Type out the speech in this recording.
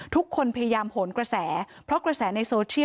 ทุกคนพยายามโหนกระแส